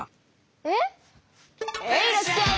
えっ⁉へいらっしゃい！